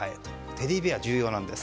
テディベア重要なんです。